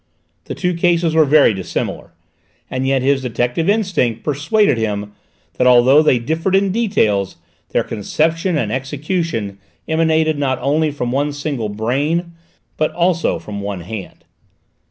The two cases were very dissimilar, and yet his detective instinct persuaded him that although they differed in details their conception and execution emanated not only from one single brain but also from one hand.